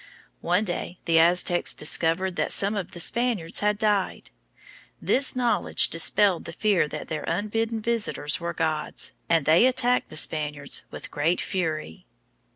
One day the Aztecs discovered that some of the Spaniards had died. This knowledge dispelled the fear that their unbidden visitors were gods, and they attacked the Spaniards with great fury.